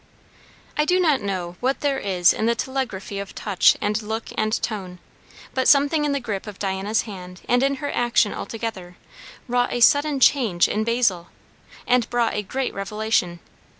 I do not know what there is in the telegraphy of touch and look and tone; but something in the grip of Diana's hand, and in her action altogether, wrought a sudden change in Basil, and brought a great revelation.